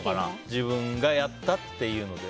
自分がやったっていうので。